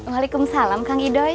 waalaikumsalam kang idoi